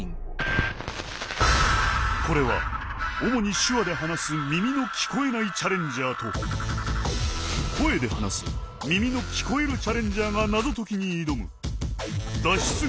これは主に手話で話す耳の聞こえないチャレンジャーと声で話す耳の聞こえるチャレンジャーが謎解きに挑む脱出